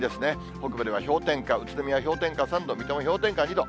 北部では氷点下、宇都宮氷点下３度、水戸も氷点下２度。